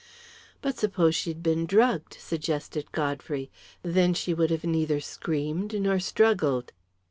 "But suppose she'd been drugged," suggested Godfrey. "Then she would have neither screamed nor struggled."